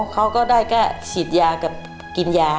เขาก็ได้การเชียดยากับกินยา